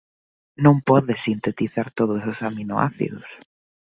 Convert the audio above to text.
Non pode sintetizar todos os aminoácidos.